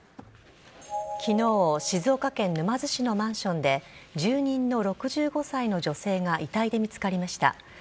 きのう、静岡県沼津市のマンションで、住人の６５歳の女性が遺体で見つかりました。